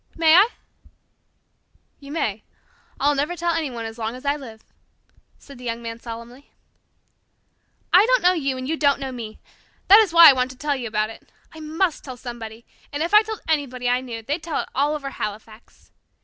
May I?" "You may. I'll never tell anyone as long as I live," said the Young Man solemnly. "I don't know you and you don't know me. That is why I want to tell you about it. I must tell somebody, and if I told anybody I knew, they'd tell it all over Halifax.